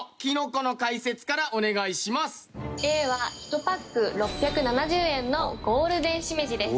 Ａは１パック６７０円のゴールデンしめじです。